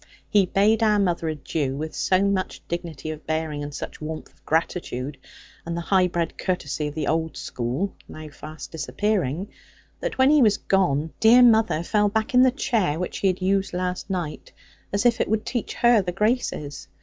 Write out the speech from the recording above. He bade our mother adieu, with so much dignity of bearing, and such warmth of gratitude, and the high bred courtesy of the old school (now fast disappearing), that when he was gone, dear mother fell back on the chair which he had used last night, as if it would teach her the graces.